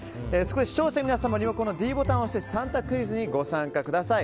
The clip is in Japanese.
視聴者の皆さんはリモコンのｄボタンを押して３択クイズにご参加ください。